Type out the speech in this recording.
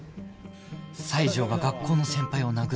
西条が学校の先輩を殴った